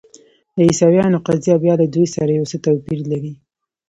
د عیسویانو قضیه بیا له دوی سره یو څه توپیر لري.